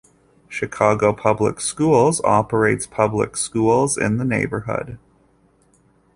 Chicago Public Schools operates public schools in the neighborhood.